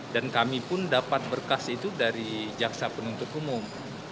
dan kami pun dapat berkas itu dari jaksa penuntut umum